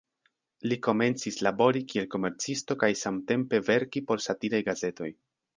Li komencis labori kiel komercisto kaj samtempe verki por satiraj gazetoj.